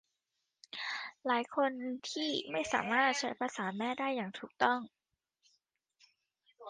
หลายคนที่ไม่สามารถใช้ภาษาแม่ได้อย่างถูกต้อง